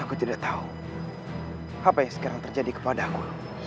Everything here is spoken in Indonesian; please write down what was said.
aku tidak tahu apa yang sekarang terjadi kepadaku